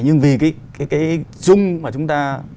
nhưng vì cái dung mà chúng ta